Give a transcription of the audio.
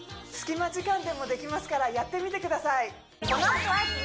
隙間時間でもできますからやってみてください